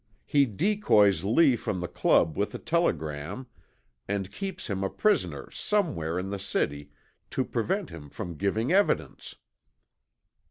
He decoys Lee from the Club with a telegram, and keeps him a prisoner somewhere in the city, to prevent him from giving evidence."